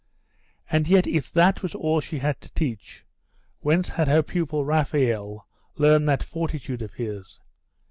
And yet if that was all she had to teach, whence had her pupil Raphael learned that fortitude of his?